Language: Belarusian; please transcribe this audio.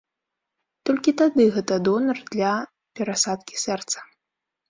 Толькі тады гэта донар для перасадкі сэрца.